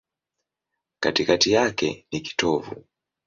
Katikati yake ni kitovu.